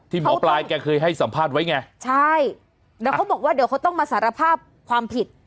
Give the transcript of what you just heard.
หมอปลายแกเคยให้สัมภาษณ์ไว้ไงใช่แล้วเขาบอกว่าเดี๋ยวเขาต้องมาสารภาพความผิด